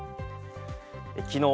きのう